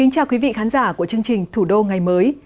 chào mừng quý vị đến với bộ phim thủ đô ngày mới